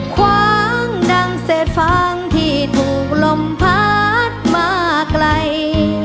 คว้างดังเศษฟางที่ถูกลมพัดมาไกล